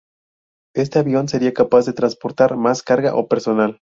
Este avión sería capaz de transportar más carga o personal.